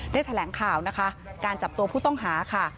แถลงข่าวนะคะการจับตัวผู้ต้องหาค่ะ